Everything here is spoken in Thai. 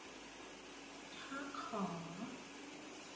ถ้าขอ